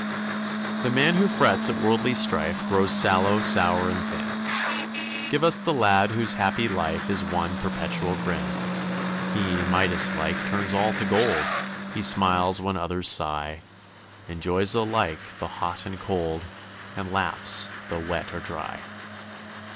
The man who frets at worldly strife Grows sallow, sour, and thin; Give us the lad whose happy life Is one perpetual grin: He, Midas like, turns all to gold He smiles when others sigh, Enjoys alike the hot and cold, And laughs though wet or dry.